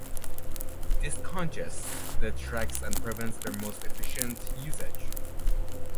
This congests the tracks and prevents their most efficient usage.